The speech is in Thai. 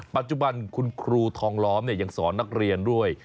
ปัจจุบันคุณครูทองล้อมยังสอนนักเรียนด้วย